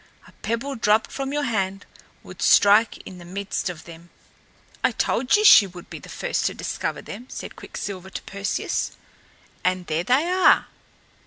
"A pebble dropped from your hand would strike in the midst of them." "I told you she would be the first to discover them," said Quicksilver to Perseus. "And there they are!"